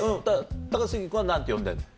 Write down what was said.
高杉君は何て呼んでんの？